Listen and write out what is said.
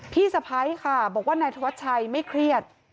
พี่สะพ้ายค่ะบอกว่านายธวัชชัยไม่เครียด